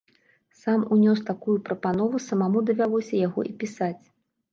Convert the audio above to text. Сам унёс такую прапанову, самому давялося яго і пісаць.